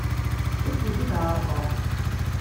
Ur tent-id-ɛerrḍeɣ.